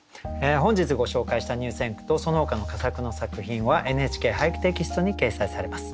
本日ご紹介した入選句とそのほかの佳作の作品は「ＮＨＫ俳句」テキストに掲載されます。